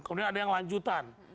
kemudian ada yang lanjutan